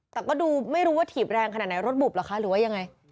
แต่ก็ดูไม่รู้ว่าถีบแรงขนาดไหนรถบุบเหรอคะหรือว่ายังไง